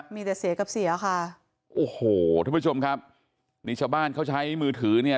มีแต่เสียกับเสียค่ะโอ้โหทุกผู้ชมครับนี่ชาวบ้านเขาใช้มือถือเนี่ย